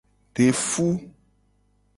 De fu.